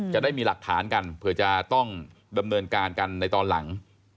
จะได้มีหลักฐานกันเผื่อจะต้องดำเนินการกันในตอนหลัง